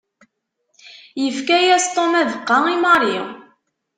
Yefka-yas Tom abeqqa i Mary.